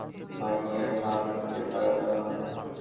যে মহলে আমাদের মত, এত ভালো ভাড়াটিয়া, থাকতে পারবে না।